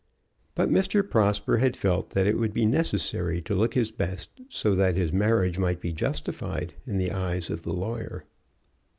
But Mr. Prosper had felt that it would be necessary to look his best, so that his marriage might be justified in the eyes of the lawyer.